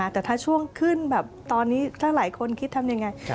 แต่ถ้าช่วงขึ้นแบบตอนนี้ถ้าหลายคนคิดทำยังไง